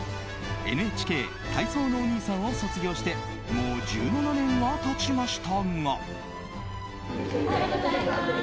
ＮＨＫ体操のお兄さんを卒業してもう１７年が経ちましたが。